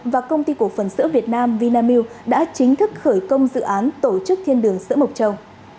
và công ty cổ phần sữa việt nam vinamilk đã chính thức khởi công dự án tổ chức thiên đường sữa mộc châu